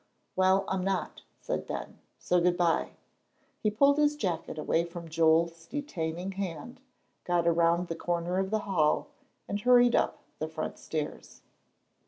"Well, I'm not," said Ben, "so good by." He pulled his jacket away from Joel's detaining hand, got around the corner of the hall, and hurried up the front stairs.